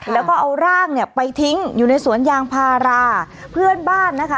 แล้วก็เอาร่างเนี่ยไปทิ้งอยู่ในสวนยางพาราเพื่อนบ้านนะคะ